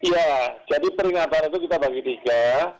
ya jadi peringatan itu kita bagi tiga